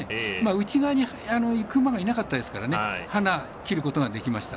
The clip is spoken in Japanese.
内側にいく馬がいなかったですからハナを切ることができました。